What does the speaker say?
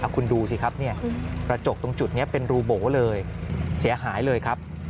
คุณดูสิครับกระจกตรงจุดนี้เป็นรูโบ๋เลยเสียหายเลยครับ